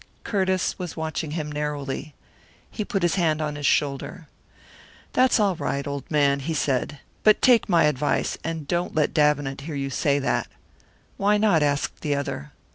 Curtiss was watching him narrowly. He put his hand on his shoulder. "That's all right, old man," he said. "But take my advice, and don't let Davenant hear you say that." "Why not?" asked the other.